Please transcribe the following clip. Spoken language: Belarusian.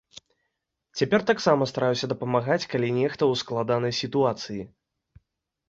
Цяпер таксама стараюся дапамагаць, калі нехта ў складанай сітуацыі.